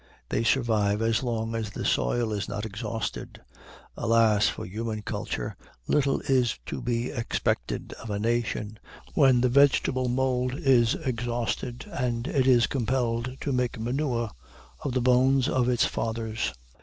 They survive as long as the soil is not exhausted. Alas for human culture! little is to be expected of a nation, when the vegetable mould is exhausted, and it is compelled to make manure of the bones of its fathers.